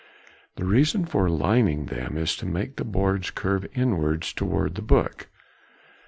The reason for lining them is to make the boards curve inwards towards the book.